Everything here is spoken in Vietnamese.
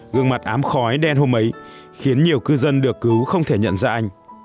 gương mặt ám khói đen hôm ấy khiến nhiều cư dân được cứu không thể nhận ra anh